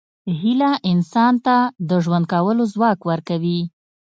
هیله انسان ته د ژوند کولو ځواک ورکوي.